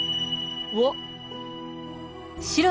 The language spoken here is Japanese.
うわっ！